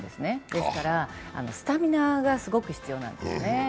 ですからスタミナがすごく必要なんですね。